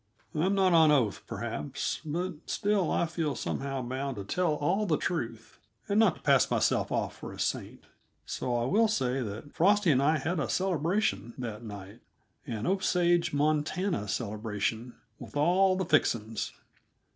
I'm not on oath, perhaps, but still I feel somehow bound to tell all the truth, and not to pass myself off for a saint. So I will say that Frosty and I had a celebration, that night; an Osage, Montana, celebration, with all the fixings.